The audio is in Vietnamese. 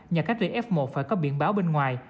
nhà cách ly f một phải có biển báo bên ngoài